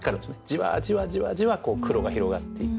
じわじわじわじわ黒が広がっていく。